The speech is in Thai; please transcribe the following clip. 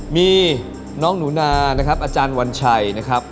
มีน้องหนูนานะครับอาจารย์วันชัยนะครับ